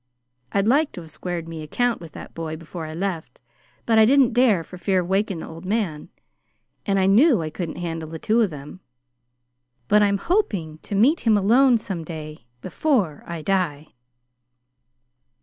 I'd like to have squared me account with that boy before I left, but I didn't dare for fear of waking the old man, and I knew I couldn't handle the two of them; but I'm hoping to meet him alone some day before I die."